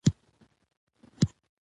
چي په دې وروستیو کي په ښار کي د خوراکي